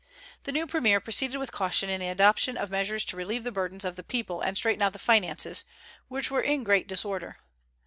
The new premier proceeded with caution in the adoption of measures to relieve the burdens of the people and straighten out the finances, which were in great disorder.